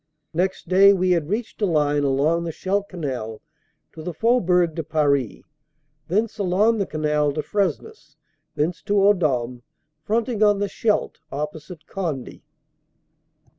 Next day we had reached a line along the Scheldt Canal to the Faubourg OPERATIONS: OCT. 20 30 353 de Paris, thence along the canal to Fresnes, thence to Odome, fronting on the Scheldt opposite Conde.